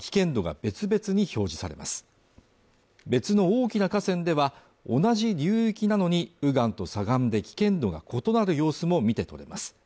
別の大きな河川では同じ流域なのに右岸と左岸で危険度が異なる様子も見て取れます